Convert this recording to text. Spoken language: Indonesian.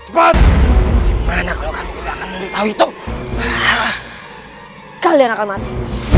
hai teman teman kalau kamu tidak akan mengetahui itu kalian akan mati